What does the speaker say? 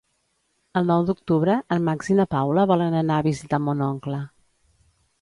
El nou d'octubre en Max i na Paula volen anar a visitar mon oncle.